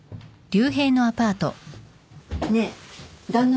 ねえ旦那